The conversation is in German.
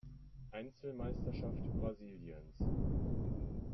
Einzelmeisterschaft Brasiliens.